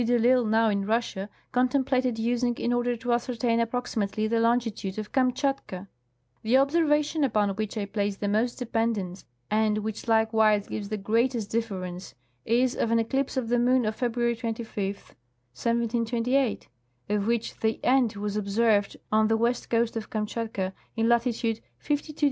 de I'Isle, now in Russia, contemplated using in order to ascer tain a^jproximately the longitude of Kamtchat. The observation upon A\diich I place the most dejDendence, and which likewise gives the greatest difference, is of an eclipse of the moon of February 25, 1728, of which the end was observed on the west coast of Kamtshat in latitude 52° 46^ N.